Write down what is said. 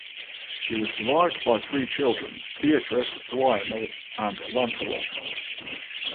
He was survived by three children, Beatrice, Lionel and Lancelot.